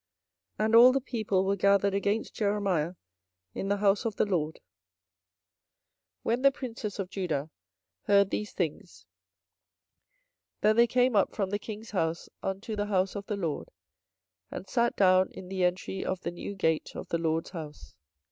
And all the people were gathered against Jeremiah in the house of the LORD. 24:026:010 When the princes of Judah heard these things, then they came up from the king's house unto the house of the LORD, and sat down in the entry of the new gate of the LORD's house.